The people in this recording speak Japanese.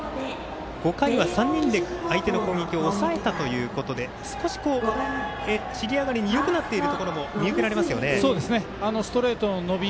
５回は３人で相手の攻撃を抑えたというところで少し尻上がりによくなっているところもストレートの伸び